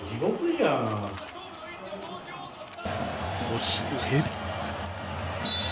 そして。